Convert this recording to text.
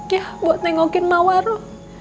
ya buat tengokin mawaru